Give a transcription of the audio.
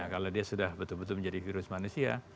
kalau dia sudah betul betul menjadi virus manusia